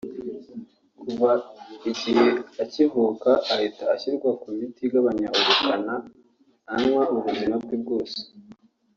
kuva icyo gihe akivuka ahita ashyirwa ku miti igabanya ubukana azanywa ubuzima bwe bwose